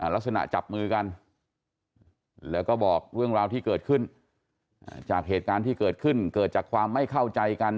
ลักษณะจับมือกันแล้วก็บอกเรื่องราวที่เกิดขึ้นจากเหตุการณ์ที่เกิดขึ้นเกิดจากความไม่เข้าใจกัน